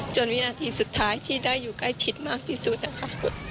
วินาทีสุดท้ายที่ได้อยู่ใกล้ชิดมากที่สุดนะคะ